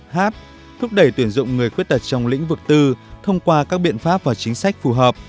hát thúc đẩy tuyển dụng người khuyết tật trong lĩnh vực tư thông qua các biện pháp và chính sách phù hợp